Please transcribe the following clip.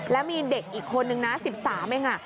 แล้วมีเด็กอีกคนนึงนะ๑๓เอง